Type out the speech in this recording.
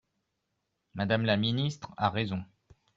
Madame la ministre a raison